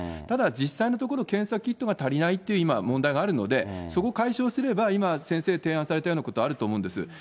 ただ、実際のところ、検査キットが足りないっていう今、問題があるので、そこ解消すれば、今、先生提案されたようなこと、あると思うんです。